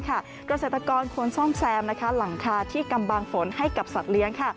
เกษตรกรควรซ่อมแซมหลังคาที่กำบางฝนให้กับสัตว์เลี้ยง